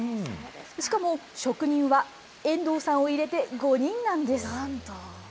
しかも、職人は遠藤さんを入れて５人なんです。